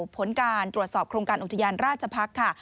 ผลการตรวจสอบโครงการอุทยานราชพักษ์ค่ะ